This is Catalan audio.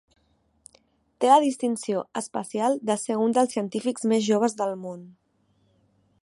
Té la distinció especial de ser un dels científics més joves del món.